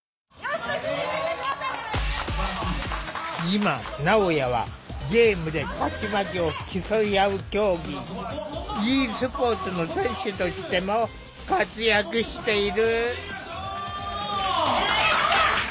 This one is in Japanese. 今なおやはゲームで勝ち負けを競い合う競技ｅスポーツの選手としても活躍している。